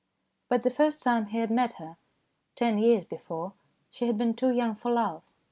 But the first time he had met her, ten years before, she had been too young for love.